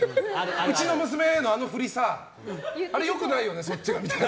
うちの娘のあの振りさあれ良くないよね、そっちが。